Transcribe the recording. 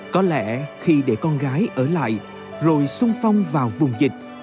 có lẽ khi để con gái ở lại rồi sung phong vào vùng dịch